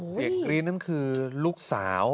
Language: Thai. เสียงกรี๊ทนั้นคือลูกสาว